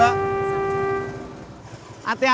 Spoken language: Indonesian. hati hati di jalan